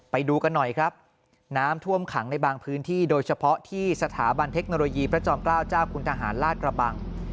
ไปดูกันหน่อยครับน้ำท่วมขังในบางพื้นที่โดยเฉพาะที่สถาบันเทคโนโลยีพระจอมเกล้าเจ้าคุณทหารลาดกระบัง